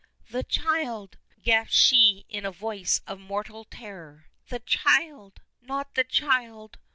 "The child!" gasps she in a voice of mortal terror. "The child! Not the child!